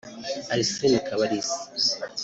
Arsène Kabalisa